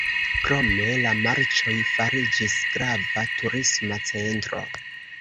Krome, la marĉoj fariĝis grava turisma centro.